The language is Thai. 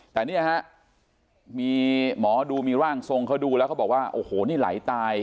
แต่นี่เหรอมีมดูร่างทรงเขาบอกว่านี่ไหลตาย